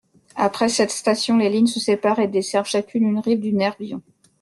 Après cette station, les lignes se séparent et desservent chacune une rive du Nervion.